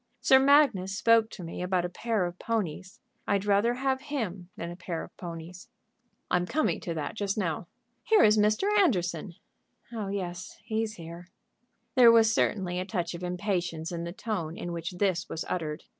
Sir Magnus spoke to me about a pair of ponies. I'd rather have him than a pair of ponies." "I'm coming to that just now. Here is Mr. Anderson." "Oh yes; he's here." There was certainly a touch of impatience in the tone in which this was uttered.